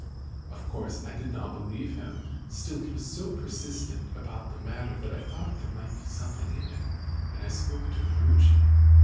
Of course, I did not believe him. Still, he was so persistent about the matter that I thought there might be something in it, and spoke to Ferruci."